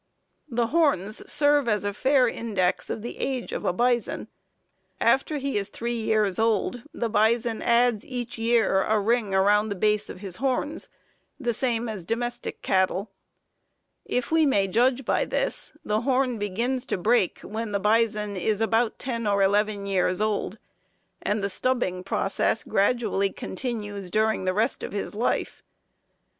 The horns serve as a fair index of the age of a bison. After he is three years old, the bison adds each year a ring around the base of his horns, the same as domestic cattle. If we may judge by this, the horn begins to break when the bison is about ten or eleven years old, and the stubbing process gradually continues during the rest of his life.